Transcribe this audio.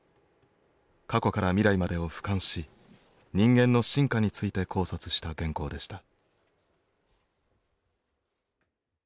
過去から未来までをふかんし人間の進化について考察した原稿でした。